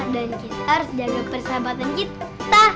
dan kita harus jaga persahabatan kita